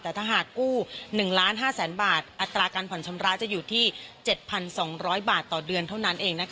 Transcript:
แต่ถ้าหากกู้หนึ่งล้านห้าแสนบาทอัตราการผ่อนชำระจะอยู่ที่เจ็ดพันสองร้อยบาทต่อเดือนเท่านั้นเองนะคะ